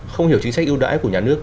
không hiểu chính sách ưu đãi của nhà nước